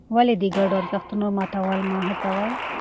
ولې د ګډو ارزښتونو ماتول مه هڅوې؟